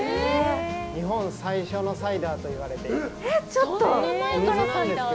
日本最初のサイダーといわれています。